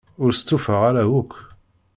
Ur stufaɣ ara akk.